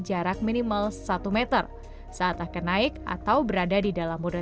jarak minimal satu meter saat akan naik atau berada di dalam moda